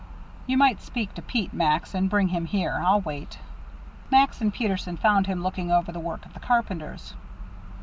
"You might speak to Pete, Max, and bring him here. I'll wait." Max and Peterson found him looking over the work of the carpenters.